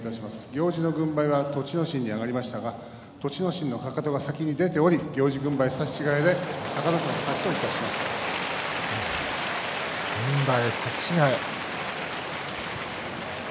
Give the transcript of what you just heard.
行司の軍配は栃ノ心に上がりましたが栃ノ心のかかとが先に出ており行司軍配差し違えで軍配差し違え。